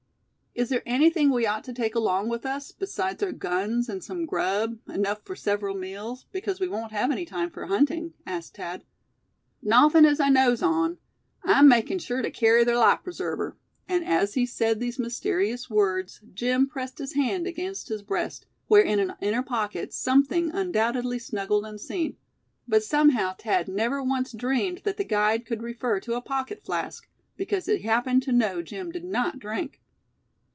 "Is there anything we ought to take along with us besides our guns, and some grub, enough for several meals, because we won't have any time for hunting?" asked Thad. "Nawthin' as I knows on; I'm makin' sure to kerry ther life preserver," and as he said these mysterious words, Jim pressed his hand against his breast, where in an inner pocket something undoubtedly snuggled unseen; but somehow Thad never once dreamed that the guide could refer to a pocket flask, because he happened to know Jim did not drink.